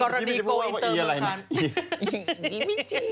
กรณีโกลอินเตอร์เมืองคัน